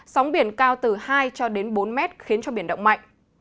sóng biển cao từ hai cho đến bốn mét khiến cho biển động mạnh